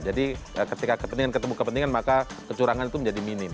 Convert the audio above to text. jadi ketika ketemu kepentingan maka kecurangan itu menjadi minim